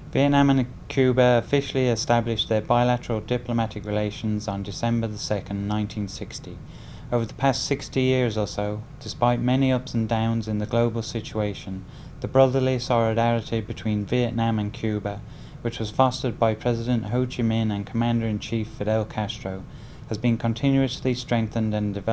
việt nam và cuba đã thông báo về tình hình đoàn kết của quân đội và quân đội đặc biệt trong tháng một mươi